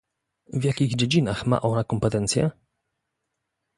W jakich dziedzinach ma ona kompetencje?